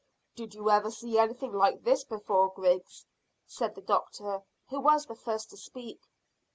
"Did you ever see anything like this before, Griggs?" said the doctor, who was the first to speak.